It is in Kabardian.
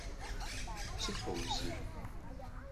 Sıt khouzır?